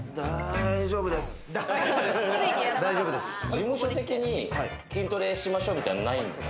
事務所的に筋トレしましょうみたいのないんですか？